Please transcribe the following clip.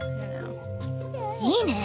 いいね！